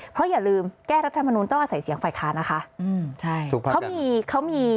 เพราะอย่าลืมแก้รัฐบาลต้องใส่เสียงฝ่ายค้านนะคะ